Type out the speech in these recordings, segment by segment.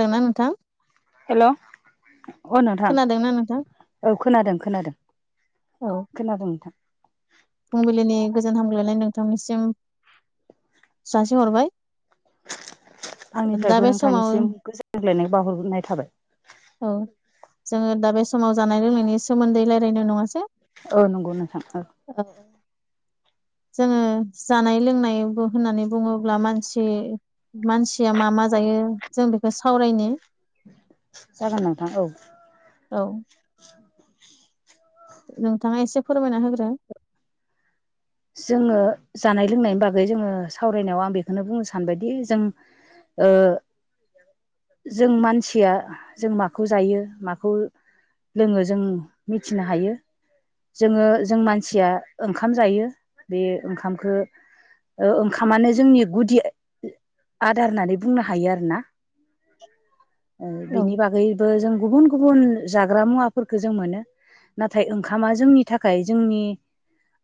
दोंना नोंथां। हेलौ। अ नोंथां खोनादोंना नोंथां औ खोनादों खोनादों औ खोनादों नोंथां। फुंबिलिनि गोजोन हामग्लायनाय नोंथांनिसिम। जासि हरबाय। आंनिफ्रायबो नोंथांनिसिम गोजोनग्लायनाय बावहरनाय थाबाय। औ जोङो दा बे समाव जानाय लोंनायनि सोमोन्दै रायज्लायनाय नङासै। औ नंगौ नोंथां औ। औ। जोङो जानाय लोंनायबो होननानै बुङोब्ला मानसि मानसिया मा मा। मा जायो जों बेखौ सावरायनो। जागोन नोंथां औ। औ। नोंथाङा एसे फोरमायना होग्रो। जोङो जानाय लोंनायनि बागै जोङो सावरायनायाव आं बेखौनो बुंनो सानबायदि जों। ओ। जों मानसिया जों माखौ जायो माखौ। लोङो जों मिथिनो हायो जोङो जों मानसिया ओंखाम जायो। बे ओंखामखो। ओ ओंखामानो जोंनि गुदि आदार होननानै बुंनो हायो आरो ना। औ बिनि बागैबो जों गुबुन गुबुन जाग्रा मुवाफोरखो जों मोनो। नाथाय ओंखामा जोंनि थाखाय जोंनि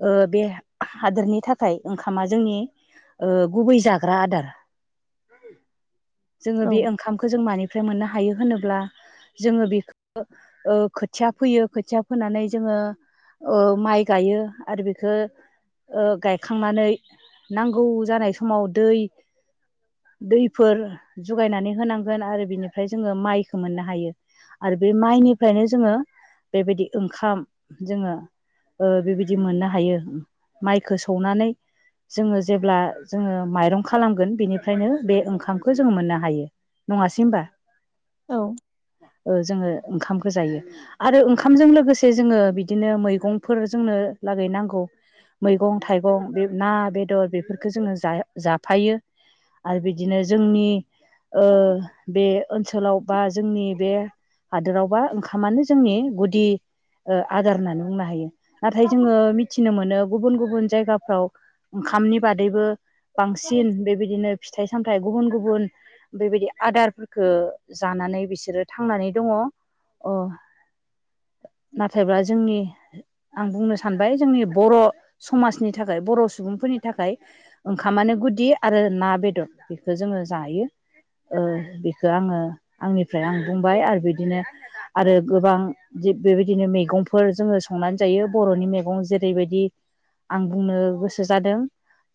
ओ बे। हादोरनि थाखाय ओंखामा जोंनि ओ गुबै जाग्रा आदार। जोङो औ बे ओंखामखौ जों मानिफ्राय मोननो हायो होनोब्ला। जोङो बेखौ खोथिया फोयो खोथिया फोनानै जोङो। ओ माइ गायो आरो बेखो। गायखांनानै नांगौ जानाय समाव दै दैफोर जगायनानै होनांगोन आरो बिनिफ्राय जोंङो माइखौ मोननो हायो आरो बे माइनिफ्रायनो जोंङो बेबायदि ओंखाम जोंङो बेबायदि मोननो हायो माइखौ सौवनानै जोंङो जेब्ला जोंङो माइरं खालामगोन बेनिफ्रायनो बे ओंखामखौ जोंङो मोननो हायो नंङासै होनबा औ औ जोंङो ओंखामखौ जायो आरो ओंखामजों लोगोसे जोंङो बिदिनो मैगंफोर जोंनो लागै नांगौ मैगं - थाइगं ना बेदर बेफोरखौ जोंङो जाफायो आरो बिदिनो जोंनि ओ बे ओनसोलाव बा जोंनि बे हादोरावबा ओंखामानो जोंनि गुदि आदार होननानै बुंनो हायो। नाथाय जोङो मिथिनो मोनो गुबुन गुबुन जायगाफ्राव ओंखामनि बादैबो बांसिन बेबायदिनो फिथाइ साम थाय गुबुन गुबुन बेबायदि आदारफोरखौ जानानै बिसोरो थांनानै दङो। अ' नाथायब्ला जोंनि आं बुंनो सानबाय जोंनि बर' समाजनि थाखाय बर' सुबुंफोरनि थाखाय ओंखामानो गुदि आरो ना बेदर बेखौ जों जायो। ओ बेखौ आंङो आंनिफ्राय आं बुंबाय आरो बिदिनो आरो गोबां बेबायदिनो मैगंफोर जोंङो संनानै जायो बर'नि मैगं जेरैबायदि आं बुंनो गोसो जादों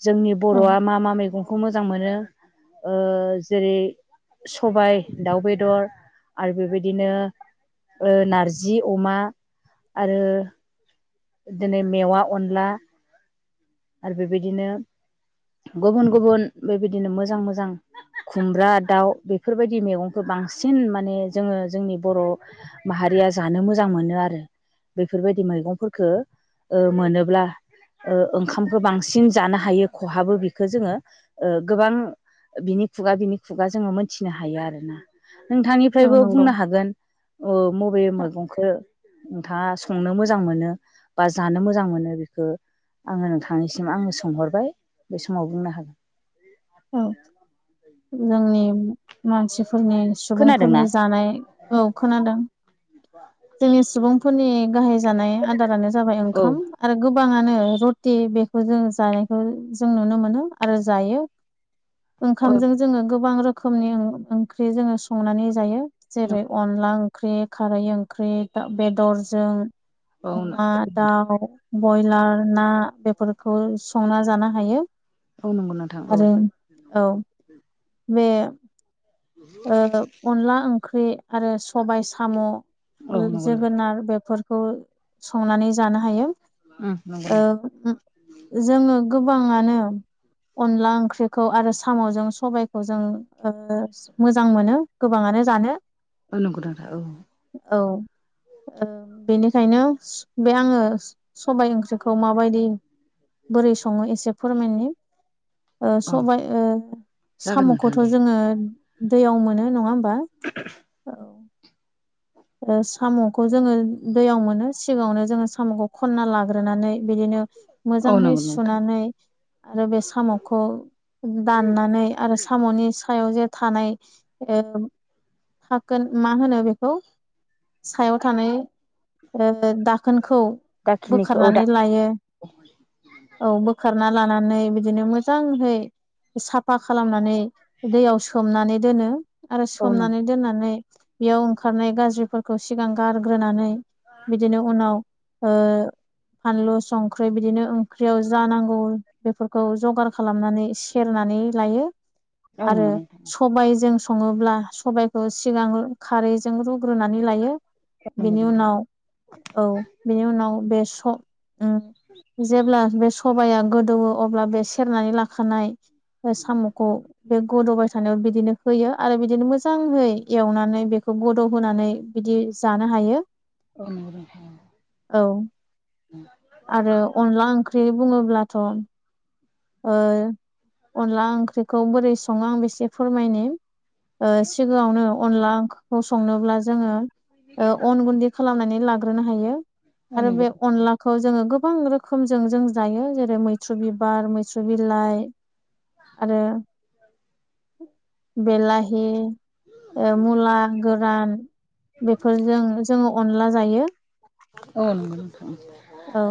जोंनि औ बर'आ मा मा मैगंखौ मोजां मोनो जेरै- सबाय दाउ बेदर आरो बेबायदिनो ओ नारजि अमा आरो बिदिनो मेवा अनला आरो बेबायदिनो गुबुन गुबुन बेबायदिनो मोजां मोजां खुमब्रा दाउ बेफोरबायदि मैगंखौ बांसिन माने जोंङो जोंनि बर' माहारि या जानो मोजां मोनो आरो। बेफोरबायदि मैगंफोरखौ मोनोब्ला ओ ओंखामखौ बांसिन जानो हायो खहाबो बेखौ जोङो गोबां बिनि खुगा बिनि खुगा जोङो मोनथिनो हायो आरो ना। औ नोंथांनिफ्रायबो नंगौ बुंनो हागोन ओ मबे मैगंखौ नोंथांङा संनो मोजां मोनो बा जानो मोजां मोनो बेखौ? आंङो नोंथांनिसिम आंङो सोंहरबाय बे समाव बुंनो औ हागोन। जोंनि मानसिफोरनि खोनादोंना? सुबुंफोरनि जानाय- औ खोनादों जोंनि सुबुंफोरनि गाहाय जानाय आदारानो जाबाय औ ओंखाम आरो गोबांङानो रुटि बेखौ जों जानायखौ जों नुनो मोनो आरो जायो। औ ओंखामजों जोङो गोबां रोखोमनि ओंख्रि जोङो संनानै जायो। नंगौ जेरै-अनला ओंख्रि, खारै ओंख्रि बेदरजों, औ अमा दाउ बयलार, ना बेफोरखौ संना जानो हायो। औ नंगौ नोंथां औ। आरो औ बे ओ अनला ओंख्रि आरो सबाय साम, औ ' नंगौ नोंथां जोगोनार बेफोर बेफोरखौ संनानै जानो हायो। उम नंगौ नोंथां जोंङो गोबाङांनो अनला ओंख्रिखौ आरो साम'जों सबायखौ जों मोजां मोनो गोबांङानो जानो। नंगौ नोंथां औ। औ ओ बेनिखायनो बे आङो सबाय ओंख्रि खौ माबायदि बोरै सङो एसे फोरमायनि ओ औ सबाय ओ जागोन नोंथां साम'खौथ' दे जोङो दैयाव मोनो नङा होमबा? बा ओ ओ साम'खौ जोङो दैयाव मोनो सिगाङावनो जोङो साम'खौ खन्ना लाग्रोनानै बिदिनो औ मोजांहै नंगौ नोंथां सुनानै आरो बे साम'खौ दाननानै आरो साम'नि सायाव जे थानाय ओ दाखोन ओ मा होनो बेखौ सायाव थानाय ओ दाखोनखौ दाखिनिखौ औ दा बोखारनानै लायो। औ बोखार सुना लानानै बिदिनो मोजांहै साफा खालामनानै दैयाव सोमनानै दोनो आरो औ नों सोमनानै दोननानै बेयाव ओंखारनाय गाज ज्रिफोरखौ सिगां गारग्रोनानै बिदिनो उनाव ओ फानलु संख्रि बिदिनो ओंख्रियाव जानांगौ बेफोरखौ जगार खालामनानै सेरना ननै लायो औ आरो नंगौ नोंथां सबायजों सङोब्ला सबायखौ सिगां खारैजों रु रुनानै लायो औ नंगौ बेनि नोंथां उनाव औ बेनि उनाव बे स ओ जेब्ला बे सबाया गोदौवो अब्ला बे सेरनानै लाखानाय साम'खौ बे गद'बाय थानायाव बिदिनो होयो आरो बिदिनो मोजाङै एवनानै बेखौ गद' होनानै बिदि जानो हायो अ नंगो नोंथां औ आरो अनला ओंख्रि बुङोब्लाथ' ओ अनला ओंख्रिखौ बोरै सङो आंबो एसे फोरमायनो ओ सिगाङावनो अनला ओंख्रिखौ संनोब्ला जोङो ओ अन गुन्दै खालामनानै लाग्रोनो हायो औ आरो नंगौ बे नोंथां अनलाखौ जोङो गोब बां रोखोमजों जों जायो जेरै मैथ्रु बिबार थसौ बिलाइ आरो बेलाहि ओ मुला गोरान बेफोरजों जोङो अनला जायो उम औ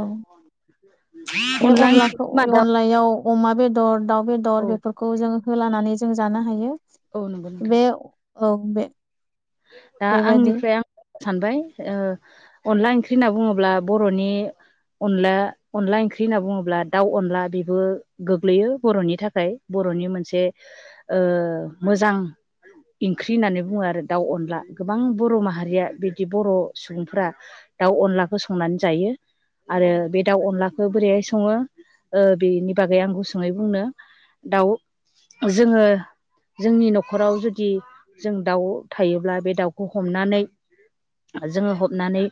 बे अनलाखौ अनलायाव अमा बेदर दाउ औ बेदर बेफोरखौ जों होलानानै जों जानो हायो औ नंगौ नोंथां बे औ बे दा बेबायदि आंनिफ्राय आं सानबाय ओ अनला ओंख्रि होनना बुङोब्ला बर'नि अनला अनला ओंख्रि होनना बुङोब्ला दाउ अनला बेबो गोग्लैयो बर'नि थाखाय बर'नि मोनसे ओ मोजां ओंख्रि होननानै बुङो आरो दाउ अनला गोबां बर' माहारिया बिदि बर' सुबुंफोरा दाउ अनलाखौ संनानै जायो आरो बे दाउ अनलाखौ बोरैहाय सङो ओ बेनि बागै आं गुसुङै बुंनो दाउ जोङो जोंनि न'खराव जुदि जों दाउ थायोब्ला बे दाउखौ हमनानै जोङो हमनानै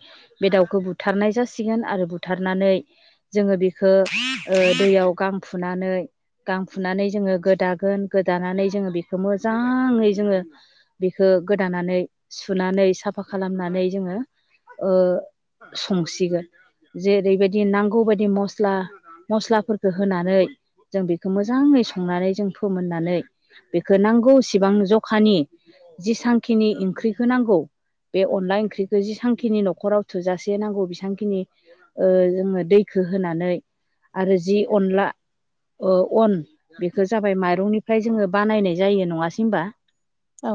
बे दाउखौ बुथारनाय जासिगोन आरो बुथारनानै जोङो बेखो ओ दैयाव गां फुनानै गां फुनानै जोङो गोदागोन गोदानानै जोङो बेखौ मोजाङै जोङो बे गोदानानै सुनानै साफा खालामनानै जोङो ओ संसिगोन जेरैबायदि नांगौबायदि मस्ला मस्लाफोरखौ होनानै जों बेखौ मोजाङै संनानै जों फोमोननानै बेखौ नांगौ सिबां जखानि जेसांखिनि ओंख्रिखौ नांगौ बे अनला ओंख्रिखौ जेसांखिनि न'खराव थोजासे नांगौ बेसांखिनि जोङो दैखौ खो होनानै आरो जि अनला ओअन बेखौ जाबाय माइरंनिफ्राय जोङो बानायनाय जायो नङासै होमबा औ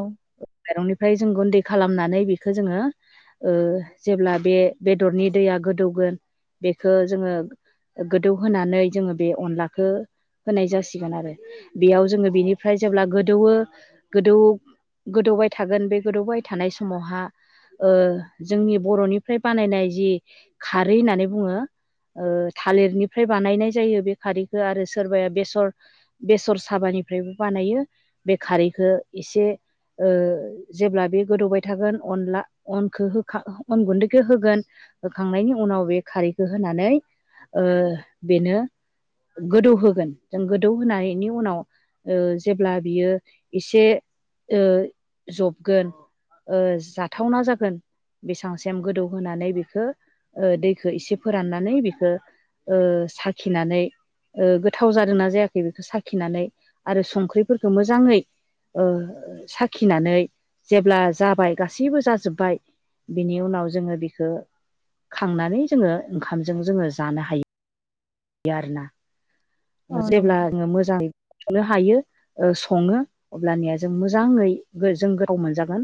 माइरंनिफ्राय जों गुन्दै खालामनानै बेखौ जोङो ओ जेब्ला बे बेदरनि दैया गोदौगोन बेखौ जोङो गोदौ होनानै जोङो बे अनलाखो होनाय जासिगोन आरो बेयाव जोङो बेनिफ्राय जेब्ला गोदौवो गोदौ गोदौबाय थागोन बे गोदौबाय थानाय समावहा ओ जोंनि बर'निफ्राय बानायनाय जि खारै होननानै बुङो। ओ थालिरनिफ्राय बानायनाय जायो बे खारैखौ आरो सोरबाया बेसर बेसर साबा निफ्रायबो बानायो बे खारैखौ एसे ओ जेब्ला बे गोदौबाय थागोन अनला अनखौ होखा अन गुन्दैखौ होगोन होखांनायनि उनाव बे खारैखौ होनानै ओ बेनो गोदौ होगोन जों गोदौ होनायनि उनाव ओ जेब्ला बियो इसे ओ जबगोन ओ जाथावना जागोन बेसां सेम गोदौ होनानै बेखौ ओ दैखौ एसे फोराननानै बेखो ओ साखिनानै ओ गोथाव जादोंना जायाखै बेखौ साखिनानै आरो संख्रिफोरखौ मोजाङै ओ साखिनानै जेब्ला जाबाय गासैबो जाजोब्बाय बिनि उनाव जोङो बिखौ खांनानै जोङो ओंखामजों जोङो जानो हायो आरोना। औ जेब्ला नंगौ [inaudible] हायो सङो अब्लानिया जों मोजाङै जों गोथाव मोनजागोन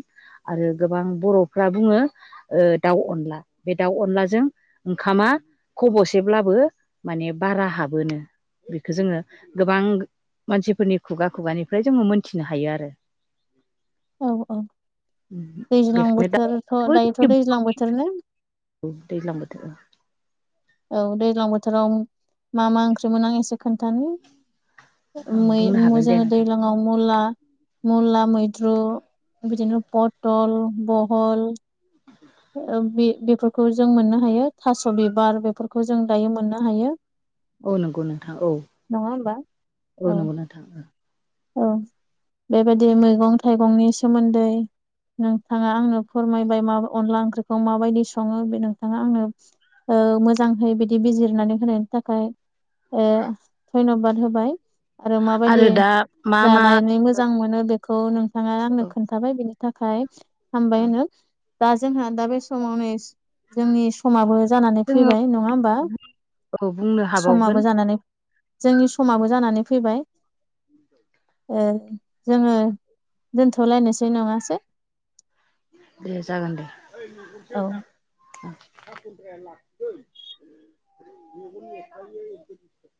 आरो गोबां बर'फ्रा बुङो ओ दाउ अनला बे दाउ अनलाजों ओंखामा खब'सेब्लाबो माने बारा हाबोनो। बेखौ जोङो गोबां मानसिफोरनि खुगा खुगानिफ्राय जोङो मोनथिनो हायो आरो। औ औ दैज्लां बेखायनो दा बोथोरथ' दायोथ' दैज्लां बोथोर ना? औ दैज्लां बोथोर औ औ दैज्लां बोथोराव मा मा ओंख्रि मोनो आं एसे खोन्थानि बुंनो मै हागोन दे जों नोंथां दैज्लांआव मुला मुला मैद्रु बिदिनो पथल बहल ओ बे बेफोरखौ जों मोननो हायो थास' बिबार बेफोरखौ जों दायो मोननो हायो। औ नंगौ नोंथां औ नङा होमबा औ नंगौ नोंथां। औ बेबायदिनो मैगं थाइगंनि सोमोन्दै नोंथाङा आंनो फोरमायबाय मा अनला ओंख्रिखौ माबायदि सङो बे नोंथाङा आंनो ओ मोजांहै बिदि बिजिरनानै होनायनि थाखाय ओ धन्यबाद होबाय आरो माबायदि दा मा मा जानानै मोजां मोनो बेखौ नोंथाङा आंनो खोन्थाबाय बेनि थाखाय हामबाय होनो दा जोंहा दा बे समावनो जोंनि समाबो जानानै जोङो फैबाय नङा होमबा औ बुंनो हाबावगोन समाबो जानानै जोंनि समाबो जानानै फैबाय। ओ जोङो दोनथ'लायनोसै नङासै? दे जागोन दे औ ओं [inaudible]